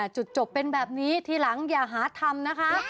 จบเป็นแบบนี้ทีหลังอย่าหาทำนะคะ